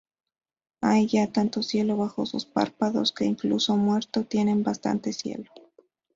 Hay ya tanto cielo bajo sus párpados que incluso muerto tiene bastante cielo.